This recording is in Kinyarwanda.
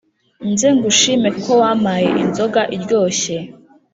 nze ngushime kuko wamaye inzoga iryoshye